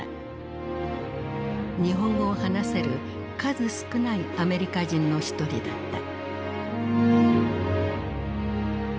日本語を話せる数少ないアメリカ人の一人だった。